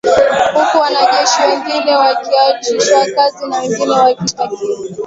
Huku wanajeshi wengine wakiachishwa kazi na wengine wakishtakiwa